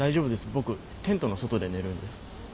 僕テントの外で寝るんで。